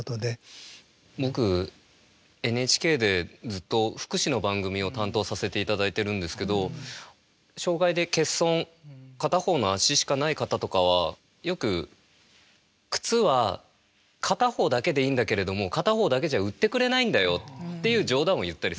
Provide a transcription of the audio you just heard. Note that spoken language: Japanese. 僕ＮＨＫでずっと福祉の番組を担当させて頂いているんですけど障害で欠損片方の足しかない方とかはよく靴は片方だけでいいんだけれども片方だけじゃ売ってくれないんだよっていう冗談を言ったりするんですね。